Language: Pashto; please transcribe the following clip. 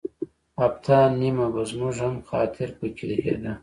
هفته نیمه به زموږ هم خاطر په کې کېده.